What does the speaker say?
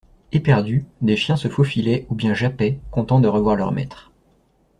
Eperdus, des chiens se faufilaient ou bien jappaient, contents de revoir leurs maîtres.